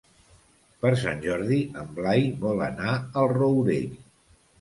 Per Sant Jordi en Blai vol anar al Rourell.